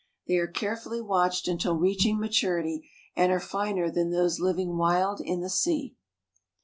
They are carefully watched until reaching maturity, and are finer than those living wild in the sea.